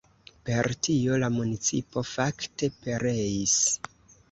Per tio la municipo fakte pereis.